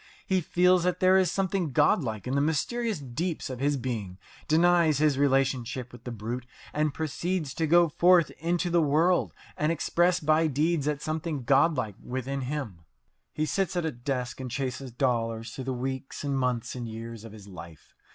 He feels that there is something godlike in the mysterious deeps of his being, denies his relationship with the brute, and proceeds to go forth into the world and express by deeds that something godlike within him. He sits at a desk and chases dollars through the weeks and months and years of his life.